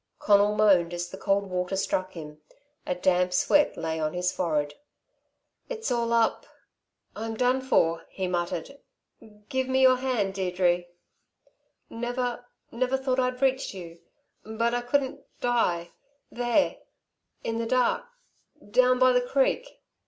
Conal moaned as the cold water struck him. A damp sweat lay on his forehead. "It's all up I'm done for," he muttered. "Give me your hand, Deirdre never never thought I'd reach you but I couldn't die there in the dark down by the creek."